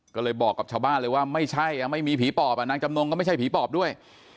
ก็เลยบอกกับชาวบ้านเลยว่าไม่ใช่ไม่มีผีปอบนางจำนงก็ไม่ใช่ผีปอบด้วย